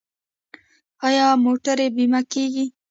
آیا موټرې بیمه کیږي؟